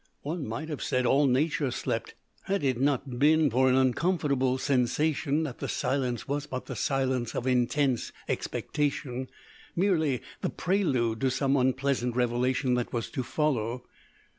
One might have said all nature slept, had it not been for an uncomfortable sensation that the silence was but the silence of intense expectation merely the prelude to some unpleasant revelation that was to follow.